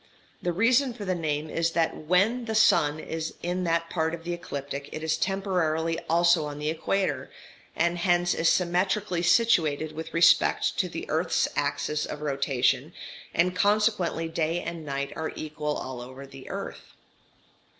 The reason for the name is that when the sun is in that part of the ecliptic it is temporarily also on the equator, and hence is symmetrically situated with respect to the earth's axis of rotation, and consequently day and night are equal all over the earth.